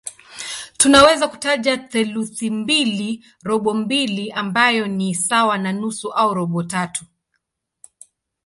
Tunaweza kutaja theluthi mbili, robo mbili ambayo ni sawa na nusu au robo tatu.